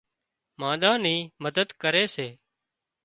مانۮان نِي مدد ڪري سي